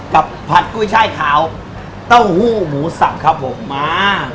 ผัดกุ้ยช่ายขาวเต้าหู้หมูสับครับผมมา